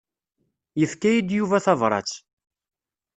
Yefka-yi-d Yuba tabrat.